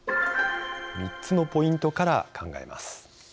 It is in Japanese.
３つのポイントから考えます。